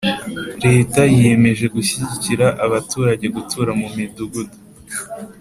leta yiyemeje gushyigikira abaturage gutura mu midugudu.